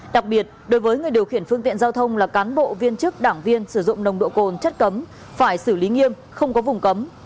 đặc biệt đối với người điều khiển phương tiện giao thông là cán bộ viên chức đảng viên sử dụng nồng độ cồn chất cấm phải xử lý nghiêm không có vùng cấm